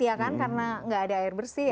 iya kan karena nggak ada air bersih